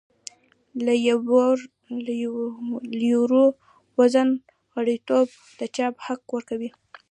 د یورو زون غړیتوب د چاپ حق ورکوي.